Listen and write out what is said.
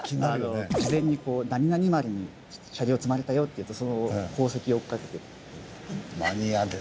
事前に「なになに丸に車両積まれたよ」っていうとその航跡を追っかけて。